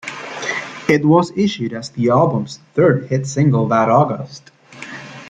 It was issued as the album's third hit single that August.